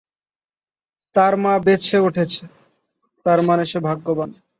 তার মা বেঁছে ওঠেছে তার মানে সে ভাগ্যবান।